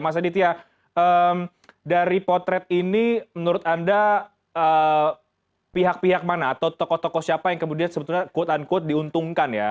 mas aditya dari potret ini menurut anda pihak pihak mana atau tokoh tokoh siapa yang kemudian sebetulnya quote unquote diuntungkan ya